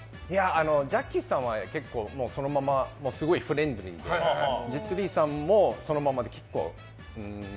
ジャッキーさんは結構、そのまますごいフレンドリーでジェット・リーさんもそのままの感じで